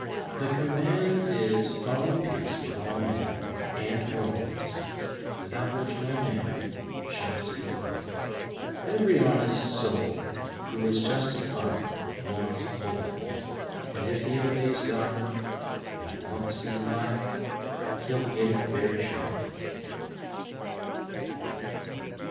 The command is :" Follow peace with all men, and holiness, without which no man shall see the Lord." Every honest soul who is justified wants holiness, and if he obeys God and walks in the light he'll get it very shortly.